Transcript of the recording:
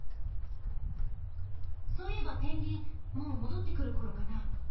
そういえばペンギンもう戻って来るころかな。